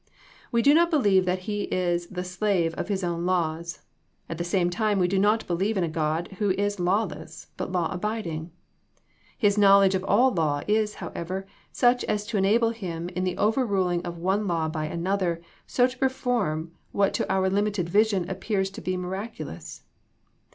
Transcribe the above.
We do not be lieve that He is the slave of His own laws. At the same time we do not believe in a God who is lawless, but law abiding. His knowledge of all law is, however, such as to enable Him in the overruling of one law by another so to perform what to our limited vision appears to be miracu lous.